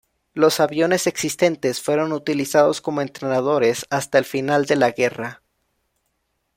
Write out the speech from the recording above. Los aviones existentes fueron utilizados como entrenadores hasta el final de la guerra.